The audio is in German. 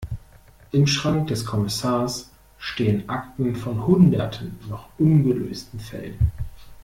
Im Schrank des Kommissars stehen Akten von hunderten noch ungelösten Fällen.